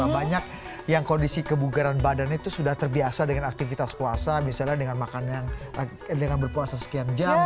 banyak yang kondisi kebugaran badannya itu sudah terbiasa dengan aktivitas puasa misalnya dengan berpuasa sekian jam